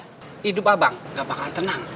hidup abang enggak bakalan tenang